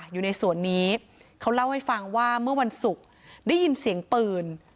อยู่ในสวนนี้เขาเล่าให้ฟังว่าเมื่อวันศุกร์ได้ยินเสียงปืน